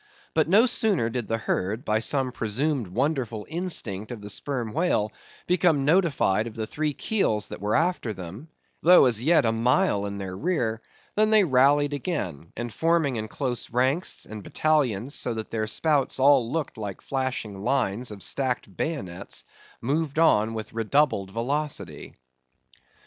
But no sooner did the herd, by some presumed wonderful instinct of the Sperm Whale, become notified of the three keels that were after them,—though as yet a mile in their rear,—than they rallied again, and forming in close ranks and battalions, so that their spouts all looked like flashing lines of stacked bayonets, moved on with redoubled velocity.